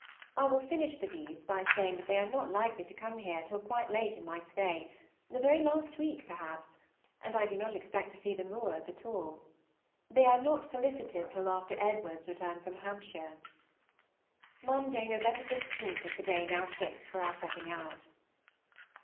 I will finish the Deedes by saying that they are not likely to come here till quite late in my stay, the very last week perhaps; and I do not expect to see the Moores at all. They are not solicited till after Edward's return from Hampshire. Monday, November 15, is the day now fixed for our setting out.